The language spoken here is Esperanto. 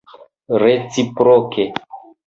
reciproke